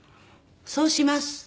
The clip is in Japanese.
そうします。